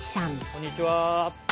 こんにちは。